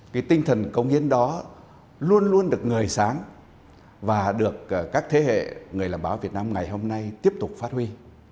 cái tinh thần công hiến đó luôn luôn được người sáng và được các thế hệ người làm báo việt nam ngày hôm nay tiếp tục phát huy